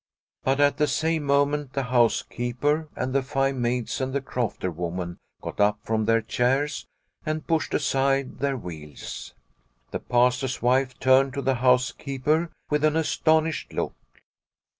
But at the same moment the housekeeper and the five maids and the crofter woman got up from their chairs and pushed aside their wheels. 26 Liliecrona's Home The Pastor's wife turned to the housekeeper with an astonished look.